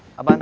eh apaan sih